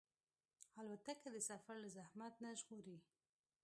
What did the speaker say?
الوتکه د سفر له زحمت نه ژغوري.